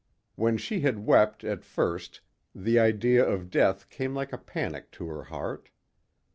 When she had wept at first, the idea of death came like a panic to her heart.